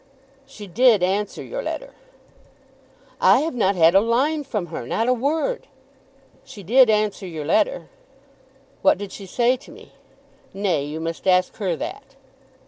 "She did answer your letter." "I have not had a line from her; not a word!" "She did answer your letter." "What did she say to me?" "Nay, you must ask her that."